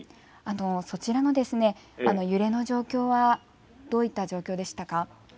そちらの揺れの状況はどういった状況でしたか。